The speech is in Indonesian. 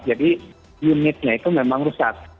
jadi unitnya itu memang rusak